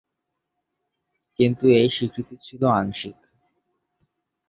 কিন্তু এই স্বীকৃতি ছিল আংশিক।